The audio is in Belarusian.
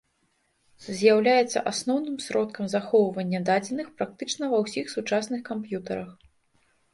З'яўляецца асноўным сродкам захоўвання дадзеных практычна ва ўсіх сучасных камп'ютарах.